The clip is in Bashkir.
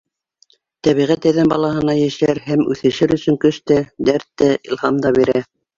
Тәбиғәт әҙәм балаһына йәшәр һәм үҫешер өсөн көс тә, дәрт тә, илһам да бирә.